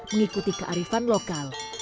mengikuti kearifan lorong